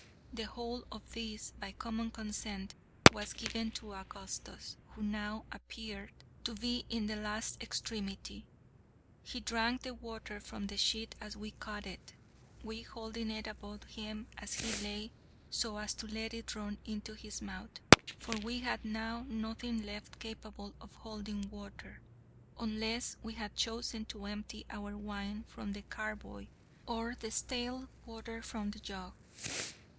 The whole of this, by common consent, was given to Augustus, who now appeared to be in the last extremity. He drank the water from the sheet as we caught it (we holding it above him as he lay so as to let it run into his mouth), for we had now nothing left capable of holding water, unless we had chosen to empty out our wine from the carboy, or the stale water from the jug.